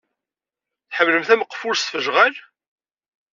Tḥemmlemt ameqful s tfejɣal?